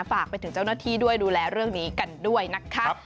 ฝากไปถึงเจ้าหน้าที่ด้วยดูแลเรื่องนี้กันด้วยนะคะ